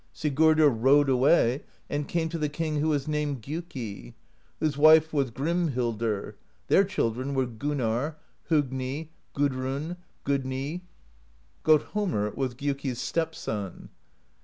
Sigurdr rode away and came to the king who was named Gjiiki, whose wife was Grim hildr; their children were Gunnarr, Hogni, Gudrun, Gudny; GotthormrwasGjuki's stepson.